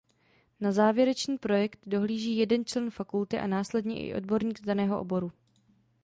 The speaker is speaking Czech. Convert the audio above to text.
Na závěrečný projekt dohlíží jeden člen fakulty a následně i odborník z daného oboru.